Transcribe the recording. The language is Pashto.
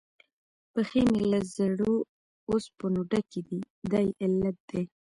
پښې مې له زړو اوسپنو ډکې دي، دا یې علت دی.